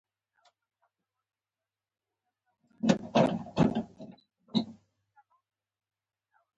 باد کله خندا کوي، کله ژاړي